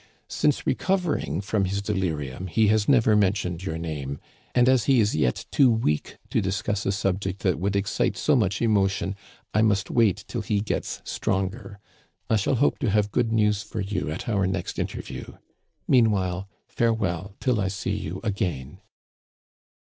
Since recovering from his delirium he has never mentioned your name ; and as he is yet too weak to discuss a subject that would excite so much emotion, I must wait till he gets stronger. I shall hope to have good news for you at our next interview. Meanwhile, farewell till I see you again